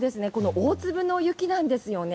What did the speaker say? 大粒の雪なんですよね。